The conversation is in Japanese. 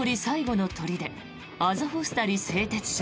最後の砦アゾフスタリ製鉄所。